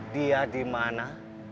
dia di mana